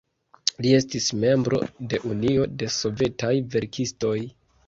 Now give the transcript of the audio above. Li estis membro de Unio de Sovetaj Verkistoj.